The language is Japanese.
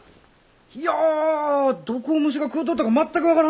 いやどこを虫が食うとったか全く分からんなあ。